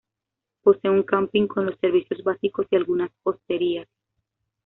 Posee un camping con los servicios básicos y algunas hosterías.